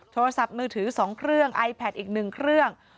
โทรศัพท์มือถือ๒เครื่องไอแพทอีก๑เครื่อง